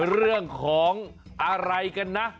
เรื่องของอะไรกันนะ